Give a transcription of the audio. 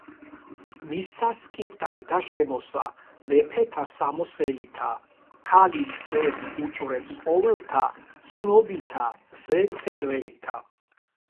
მისცა სკიპტრა და შემოსა, მეფეთა სამოსელითა, ქალი მზებრ უჭვრეტს ყოველთა ცნობითა ზე-მხედველითა.